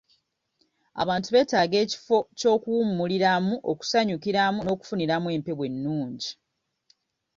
Abantu beetaaga ekifo ky'okuwummuliramu, okusanyukiramu n'okufuniramu empewo ennungi.